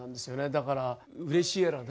だからうれしいやらね。